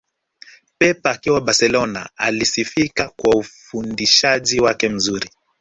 Pep akiwa Barcelona alisifika kwa ufundishaji wake mzuri